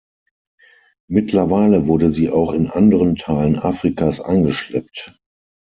Mittlerweile wurde sie auch in anderen Teilen Afrikas eingeschleppt.